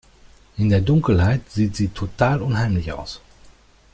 In der Dunkelheit sieht sie total unheimlich aus.